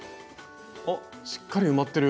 おっしっかり埋まってる。